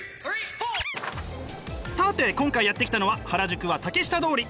さて今回やって来たのは原宿は竹下通り！